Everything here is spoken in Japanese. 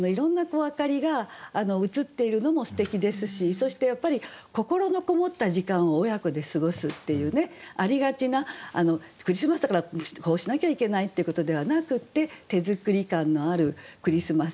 そしてやっぱり心のこもった時間を親子で過ごすっていうねありがちなクリスマスだからこうしなきゃいけないっていうことではなくって手作り感のあるクリスマス。